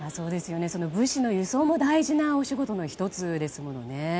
物資の輸送も大事なお仕事の１つですものね。